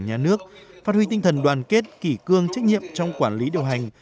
nhà nước phát huy tinh thần đoàn kết kỷ cương trách nhiệm trong quản lý điều hành